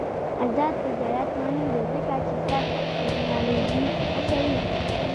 آزاد تجارت مهم دی ځکه چې سبز تکنالوژي هڅوي.